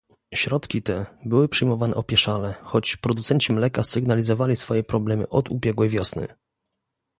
Środki te były przyjmowane opieszale, choć producenci mleka sygnalizowali swoje problemy od ubiegłej wiosny